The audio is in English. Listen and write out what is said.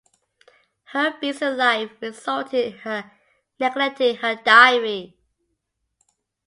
Her busy life resulted in her neglecting her diary.